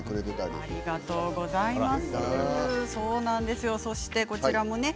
ありがとうございます。